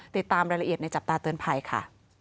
ติดตามรายละเอียดในจับตาเตือนภัยค่ะ